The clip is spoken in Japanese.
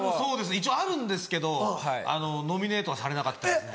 一応あるんですけどノミネートはされなかったですね。